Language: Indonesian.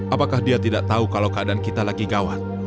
apakah dia tidak tahu kalau keadaan kita lagi gawat